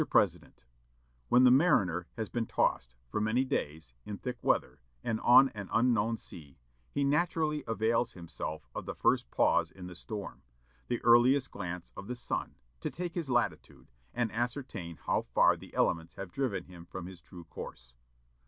President, When the mariner has been tossed, for many days, in thick weather, and on an unknown sea, he naturally avails himself of the first pause in the storm, the earliest glance of the sun, to take his latitude, and ascertain how far the elements have driven him from his true course.